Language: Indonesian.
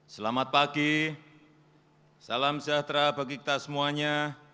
selamat pagi salam sejahtera bagi kita semuanya